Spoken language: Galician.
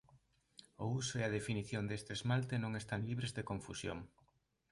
O uso e a definición deste esmalte non están libres de confusión.